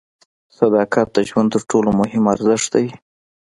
صداقت د ژوند تر ټولو مهم ارزښت دی.